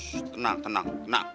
shhh tenang tenang